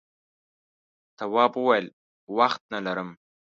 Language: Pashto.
تواب وویل وخت نه لرم.